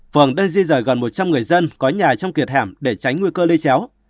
phường đang di rời gần một trăm linh người dân có nhà trong kiệt hẻm để tránh nguy cơ lây chéo